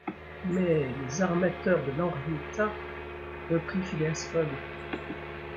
Mais les armateurs de l’Henrietta. .. reprit Phileas Fogg.